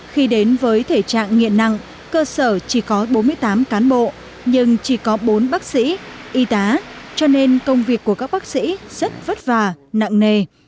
khi đến với thể trạng nghiện nặng cơ sở chỉ có bốn mươi tám cán bộ nhưng chỉ có bốn bác sĩ y tá cho nên công việc của các bác sĩ rất vất vả nặng nề